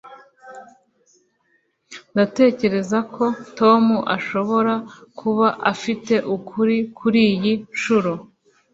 ndatekereza ko tom ashobora kuba afite ukuri kuriyi nshuro